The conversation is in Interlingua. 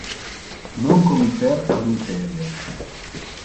Non committer adulterio.